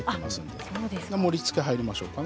では盛りつけ入りましょうか。